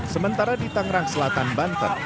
sementara di tangerang selatan banten